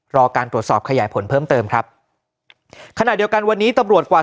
รอการตรวจสอบขยายผลเพิ่มเติมครับขณะเดียวกันวันนี้ตำรวจกว่า